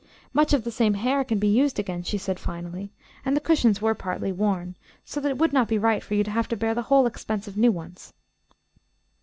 "Much of the same hair can be used again," she said, finally, "and the cushions were partly worn, so that it would not be right for you to have to bear the whole expense of new ones.